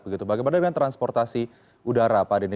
bagaimana dengan transportasi udara pak denny